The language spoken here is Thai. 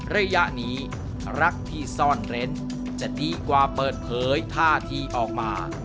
ระยะนี้รักที่ซ่อนเร้นจะดีกว่าเปิดเผยท่าทีออกมา